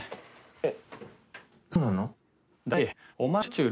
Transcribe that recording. えっ？